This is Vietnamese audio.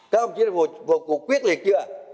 các ông chị đã vô cuộc quyết liệt chưa